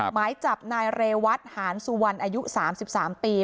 หมายจับนายเรวัตหานสุวรรณอายุ๓๓ปี